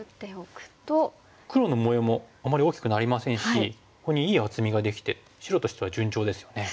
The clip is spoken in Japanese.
黒の模様もあまり大きくなりませんしここにいい厚みができて白としては順調ですよね。